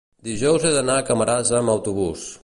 dijous he d'anar a Camarasa amb autobús.